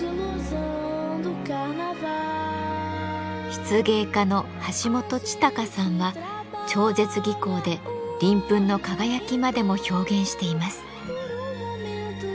漆芸家の橋本千毅さんは超絶技巧で鱗粉の輝きまでも表現しています。